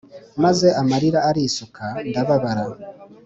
maze amarira arisuka ndababara.